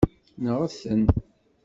Nɣet-ten.